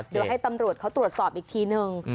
เดี๋ยวให้ตำรวจเขาตรวจสอบอีกทีนึง